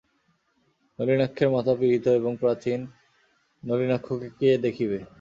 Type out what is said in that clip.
নলিনাক্ষের মাতা পীড়িত এবং প্রাচীন, নলিনাক্ষকে কে দেখিবে?